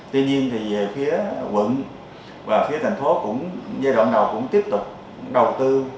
tuy nhiên về phía quận và phía thành phố giai đoạn đầu cũng tiếp tục đầu tư